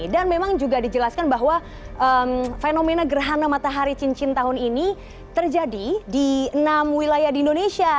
dan memang juga dijelaskan bahwa fenomena gerhana matahari cincin tahun ini terjadi di enam wilayah di indonesia